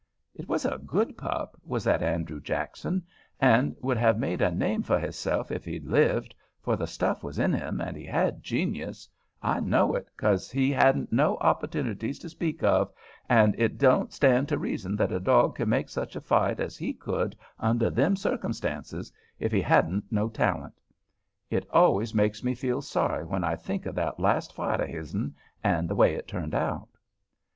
It was a good pup, was that Andrew Jackson, and would have made a name for hisself if he'd lived, for the stuff was in him and he had genius—I know it, because he hadn't no opportunities to speak of, and it don't stand to reason that a dog could make such a fight as he could under them circumstances if he hadn't no talent. It always makes me feel sorry when I think of that last fight of his'n, and the way it turned out.